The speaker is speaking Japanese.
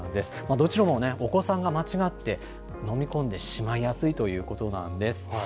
どちらもお子さんが間違って飲み込んでしまいやすいということなんです。